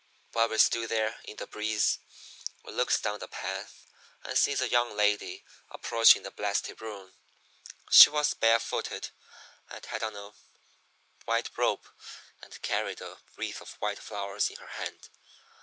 "And while we stood there in the breeze we looks down the path and sees a young lady approaching the blasted ruin. She was bare footed and had on a white robe, and carried a wreath of white flowers in her hand.